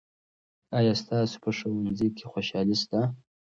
آیا ستاسو په ښوونځي کې خوشالي سته؟